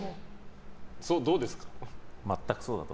それ、どうですか？